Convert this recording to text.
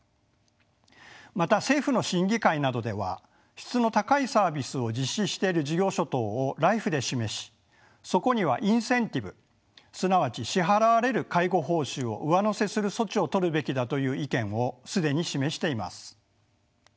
また政府の審議会などでは質の高いサービスを実施している事業所等をＬＩＦＥで示しそこにはインセンティブすなわち支払われる介護報酬を上乗せする措置を取るべきだという意見を既に示しています。